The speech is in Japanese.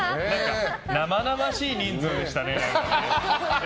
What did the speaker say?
生々しい人数でしたね。